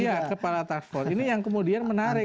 iya kepala task force ini yang kemudian menarik